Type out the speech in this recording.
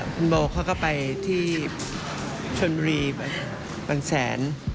คุณโบเขาก็ไปที่ชนบุรีไปบางแสน